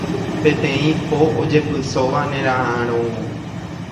Peteĩ po ojepysóva nera'ãrõvo